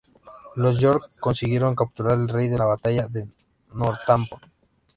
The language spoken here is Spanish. Los York consiguieron capturar al rey en la Batalla de Northampton.